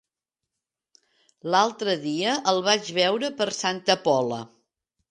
L'altre dia el vaig veure per Santa Pola.